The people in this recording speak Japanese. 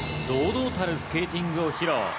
堂々たるスケーティングを披露。